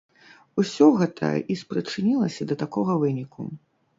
Усё гэта і спрычынілася да такога выніку.